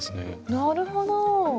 なるほど！